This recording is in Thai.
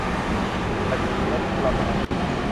จัดงบประมาณ